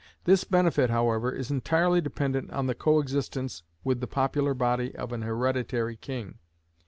This benefit, however, is entirely dependent on the coexistence with the popular body of an hereditary king.